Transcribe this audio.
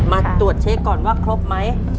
มาตรวจเช็คก่อนว่าครบไหม